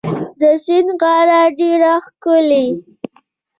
د سیند غاړه ډيره ښکلې